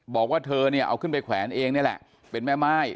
บอกว่าเธอเนี่ยเอาขึ้นไปแขวนเองนี่แหละเป็นแม่ม่าย